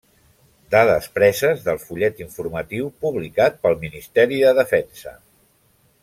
Dades preses del fullet informatiu publicat pel Ministeri de Defensa.